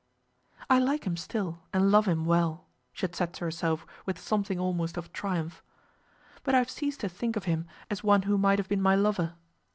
"I like him still and love him well," she had said to herself with something almost of triumph, "but I have ceased to think of him as one who might have been my lover."